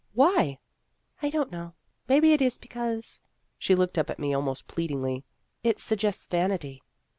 "Why?" " I don't know. Maybe it is because " she looked up at me almost pleadingly "it suggests vanity."